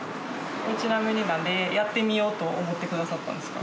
ちなみに、なんでやってみようと思ってくださったんですか？